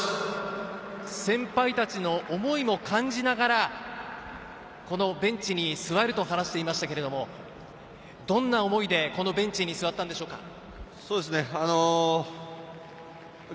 先輩たちの思いも感じながら、このベンチに座ると話していましたが、どんな思いでこのベンチに座ったんでしょうか？